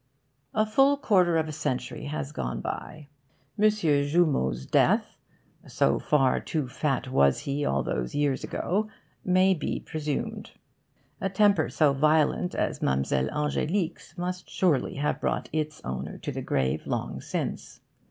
A full quarter of a century has gone by. M. Joumand's death, so far too fat was he all those years ago, may be presumed. A temper so violent as Mlle. Angélique's must surely have brought its owner to the grave, long since.